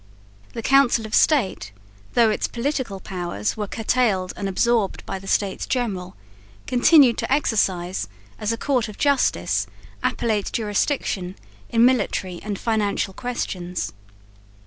The Council of State, though its political powers were curtailed and absorbed by the States General, continued to exercise, as a court of justice, appellate jurisdiction in military and financial questions.